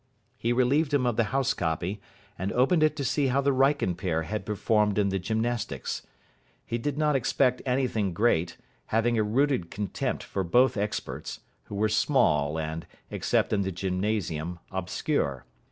He relieved him of the house copy, and opened it to see how the Wrykyn pair had performed in the gymnastics. He did not expect anything great, having a rooted contempt for both experts, who were small and, except in the gymnasium, obscure.